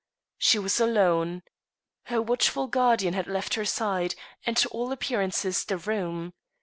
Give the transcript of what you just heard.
She was alone. Her watchful guardian had left her side, and to all appearances the room.